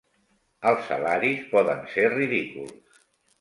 Els salaris poden ser ridículs.